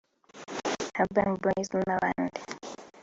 Urban Boys n’abandi